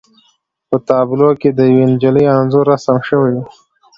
په تابلو کې د یوې نجلۍ انځور رسم شوی و